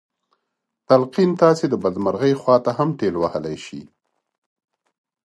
تلقين تاسې د بدمرغۍ خواته هم ټېل وهلی شي.